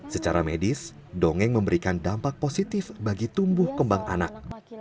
secara medis dongeng memberikan dampak positif bagi tumbuh kembang anak